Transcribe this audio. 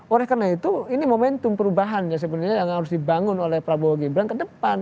oleh karena itu ini momentum perubahan ya sebenarnya yang harus dibangun oleh prabowo gibran ke depan